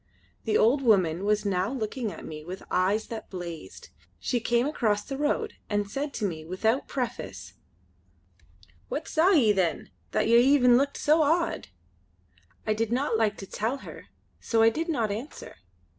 The old woman was now looking at me with eyes that blazed. She came across the road and said to me without preface: "What saw ye then, that yer e'en looked so awed?" I did not like to tell her so I did not answer.